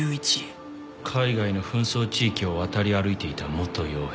海外の紛争地域を渡り歩いていた元傭兵。